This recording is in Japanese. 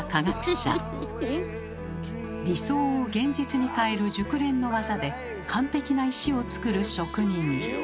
理想を現実に変える熟練の技で完璧な石を作る職人。